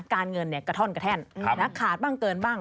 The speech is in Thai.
การเงินกระท่อนกระแท่นขาดบ้างเกินบ้าง